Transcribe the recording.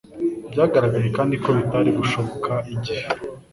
Byagaragaye kandi ko bitari gushobokera igihe